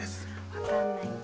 分かんないんだ。